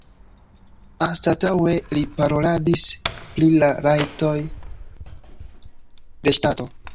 Anstataŭe li paroladis pri la rajtoj de ŝtato.